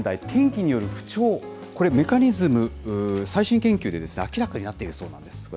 天気による不調、これ、メカニズム、最新研究で明らかになっているそうなんです。